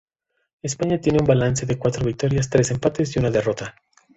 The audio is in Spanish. España tiene un balance de cuatro victorias, tres empates y una derrota.